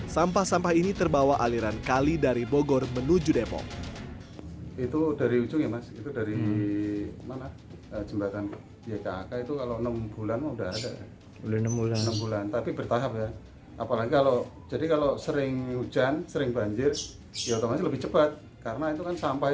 sampah sampah ini terbawa aliran kali dari bogor menuju depok